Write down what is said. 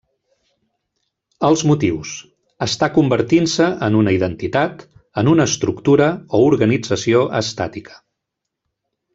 Els motius: estar convertint-se en una identitat, en una estructura o organització estàtica.